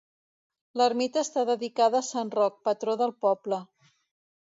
L'ermita està dedicada a Sant Roc, patró del poble.